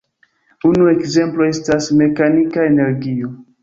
Unu ekzemplo estas mekanika energio.